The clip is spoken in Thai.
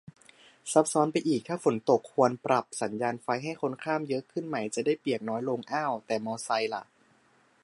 ซับซ้อนไปอีก ถ้าฝนตก ควรปรับสัญญานไฟให้คนข้ามเยอะขึ้นไหม จะได้เปียกน้อยลง อ้าว แต่มอไซค์ล่ะ